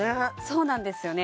そうなんですよね